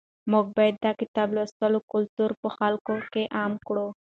موږ باید د کتاب لوستلو کلتور په خلکو کې عام کړو.